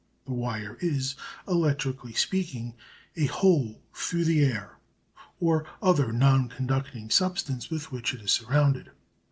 The wire is, electrically speaking, a "hole" through the air or other non conducting substance with which it is surrounded.